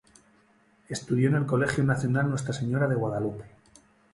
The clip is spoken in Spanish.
Estudió en el Colegio Nacional Nuestra Señora de Guadalupe.